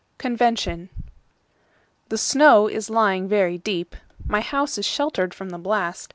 Convention THE SNOW is lying very deep.My house is sheltered from the blast.